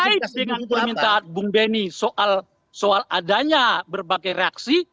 terkait dengan permintaan bung benny soal adanya berbagai reaksi